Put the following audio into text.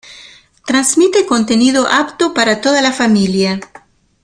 Transmite contenido apto para toda la familia.